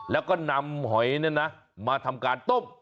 แล้วก็นำหอยเนี่ยนะมาทำการต้ม